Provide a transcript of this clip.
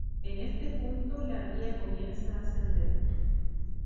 En este punto la vía comienza a ascender.